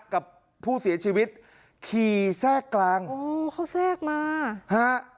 กับผู้เสียชีวิตขี่แทรกกลางโอ้เขาแทรกมาฮะ